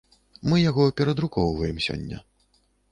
Мы яго перадрукоўваем сёння.